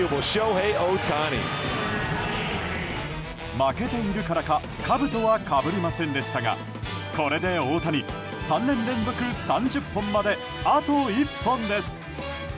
負けているからかかぶとはかぶりませんでしたがこれで大谷、３年連続３０本まであと１本です。